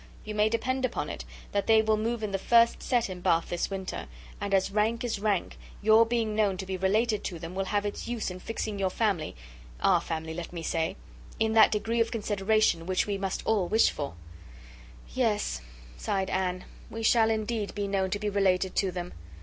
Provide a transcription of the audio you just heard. You may depend upon it, that they will move in the first set in Bath this winter, and as rank is rank, your being known to be related to them will have its use in fixing your family (our family let me say) in that degree of consideration which we must all wish for." "Yes," sighed Anne, "we shall, indeed, be known to be related to them!"